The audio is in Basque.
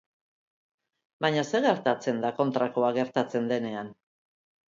Baina zer gertatzen da kontrakoa gertatzen denean?